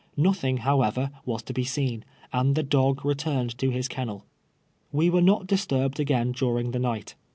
Xothing, however, was to be seen, and the dog returned to his kennel. AVe were not disturbed again during the night.